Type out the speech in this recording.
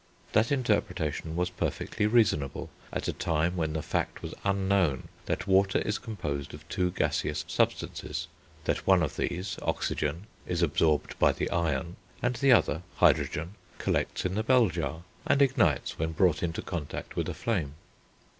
That interpretation was perfectly reasonable at a time when the fact was unknown that water is composed of two gaseous substances; that one of these (oxygen) is absorbed by the iron, and the other (hydrogen) collects in the bell jar, and ignites when brought into contact with a flame.